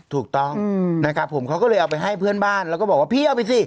ถูกต้องนะครับผมเขาก็เลยเอาไปให้เพื่อนบ้านแล้วก็บอกว่าพี่เอาไปสิ